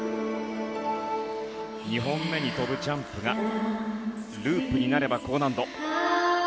２本目の跳ぶジャンプがループになれば高難度。